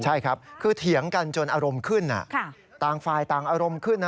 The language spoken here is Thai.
ใช่ครับคือเถียงกันจนอารมณ์ขึ้นต่างฝ่ายต่างอารมณ์ขึ้น